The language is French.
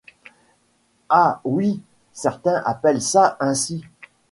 Ah oui, certains appellent ça ainsi.